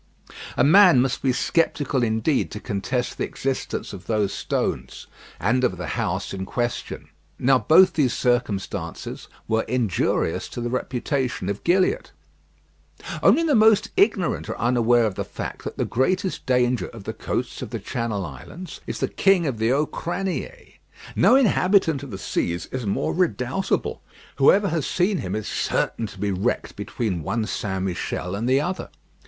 A man must be sceptical indeed to contest the existence of those stones, and of the house in question. Now both these circumstances were injurious to the reputation of Gilliatt. Only the most ignorant are unaware of the fact that the greatest danger of the coasts of the Channel Islands is the King of the Auxcriniers. No inhabitant of the seas is more redoubtable. Whoever has seen him is certain to be wrecked between one St. Michel and the other.